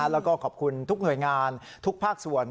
แล้วก็ขอบคุณทุกหน่วยงานทุกภาคส่วน